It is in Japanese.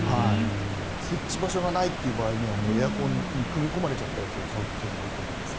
設置場所がないという場合にはエアコンに組み込まれちゃったやつを買うのがいいと思います。